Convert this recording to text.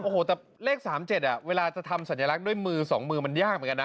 โอ้โหแต่เลข๓๗เวลาจะทำสัญลักษณ์ด้วยมือ๒มือมันยากเหมือนกันนะ